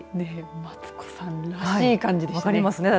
マツコさんらしい感じでしたね。